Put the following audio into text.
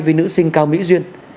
với nữ sinh cao mỹ duyên